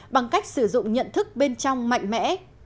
bằng cách sử dụng nhận thức bên trong mạnh mẽ